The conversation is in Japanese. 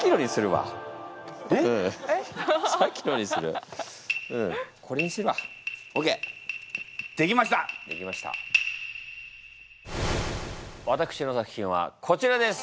わたくしの作品はこちらです！